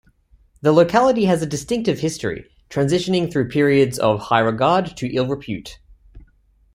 The locality has a distinctive history, transitioning through periods of high regard to ill-repute.